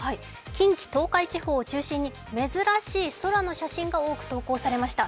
近畿・東海地方を中心に珍しい空の写真が投稿されました。